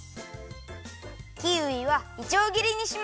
キウイはいちょうぎりにします。